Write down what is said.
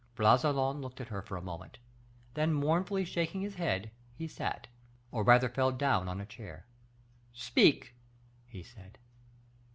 Bragelonne looked at her for a moment; then mournfully shaking his head, he sat, or rather fell down on a chair. "Speak," he said.